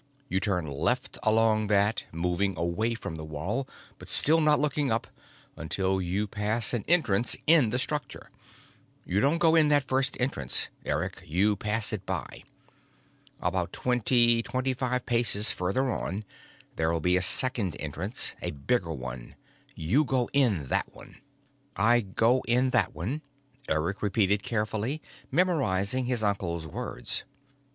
You turn left along that, moving away from the wall, but still not looking up, until you pass an entrance in the structure. You don't go in that first entrance, Eric; you pass it by. About twenty, twenty five paces further on, there'll be a second entrance, a bigger one. You go in that one." "I go in that one," Eric repeated carefully, memorizing his uncle's words.